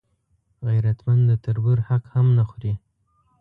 غیرتمند د تربور حق هم نه خوړوي